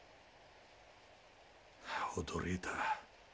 驚いた。